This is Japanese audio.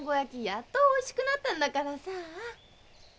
やっとおいしくなったんだからさあ。